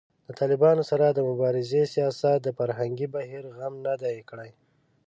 د طالبانو سره د مبارزې سیاست د فرهنګي بهیر غم نه دی کړی